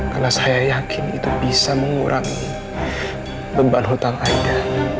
karena saya yakin itu bisa mengurangi beban hutang aida